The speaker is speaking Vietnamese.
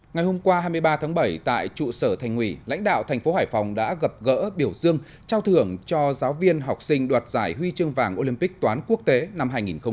ngày hôm qua hai mươi ba tháng bảy tại trụ sở thanh huy lãnh đạo thành phố hải phòng đã gặp gỡ biểu dương trao thưởng cho giáo viên học sinh đoạt giải huy trương vàng olympic toán quốc tế năm hai nghìn một mươi chín